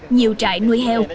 nhiều trại nuôi heo